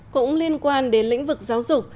cũng liên quan đến lĩnh vực giáo dục